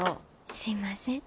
すいません。